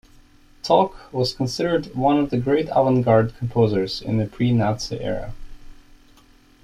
Toch was considered one of the great avant-garde composers in the pre-Nazi era.